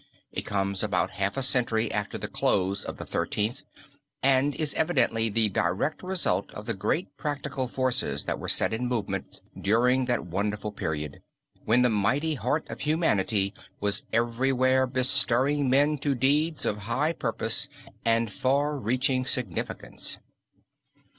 It comes about a half century after the close of the Thirteenth, and is evidently the direct result of the great practical forces that were set in movement during that wonderful period, when the mighty heart of humanity was everywhere bestirring men to deeds of high purpose and far reaching significance.